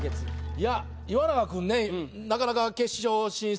いや岩永君ねなかなか決勝進出